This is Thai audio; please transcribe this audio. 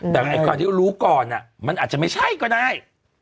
แต่ไอ้คาดเดารู้ก่อนมันอาจจะไม่ใช่ก็ได้